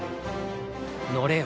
乗れよ。